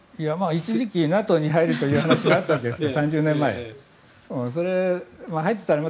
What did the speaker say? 一時期ＮＡＴＯに入るという話もあったんですね。